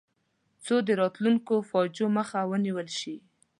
څو د راتلونکو فاجعو مخه ونیول شي.